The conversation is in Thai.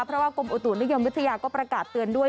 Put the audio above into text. เพราะว่ากรมอุตุนิยมวิทยาก็ประกาศเตือนด้วย